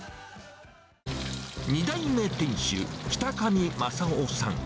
２代目店主、北上昌夫さん。